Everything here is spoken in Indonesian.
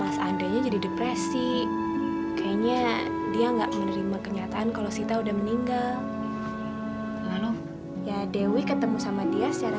sampai jumpa di video selanjutnya